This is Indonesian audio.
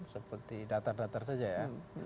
seperti datar datar saja ya